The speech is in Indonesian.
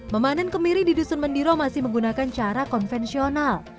memanen kemiri di dusun mendiro masih menggunakan cara konvensional